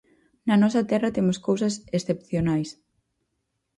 Na nosa terra temos cousas excepcionais.